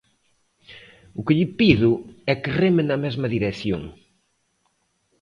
O que lle pido é que reme na mesma dirección.